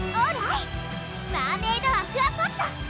マーメイドアクアポット！